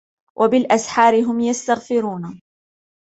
وَبِالْأَسْحَارِ هُمْ يَسْتَغْفِرُونَ